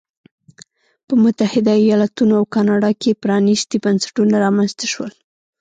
په متحده ایالتونو او کاناډا کې پرانیستي بنسټونه رامنځته شول.